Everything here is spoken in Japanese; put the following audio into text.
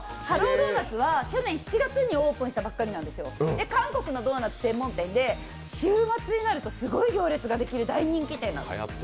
ＤＯＮＵＴＳは去年７月にオープンしたばっかりで、韓国のドーナツ専門店で、週末になるとすごい行列ができる大人気店なんです